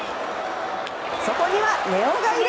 そこには根尾がいる！